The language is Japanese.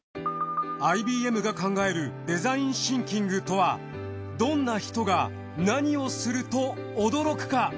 ＩＢＭが考えるデザインシンキングとはどんな人が何をすると驚くか。